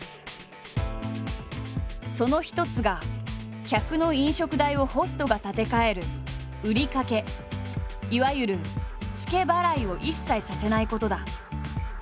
その一つが客の飲食代をホストが立て替える「売り掛け」いわゆる「ツケ払い」を一切させないことだ。